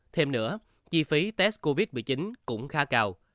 thêm nữa chi phí test covid một mươi chín cũng khá cao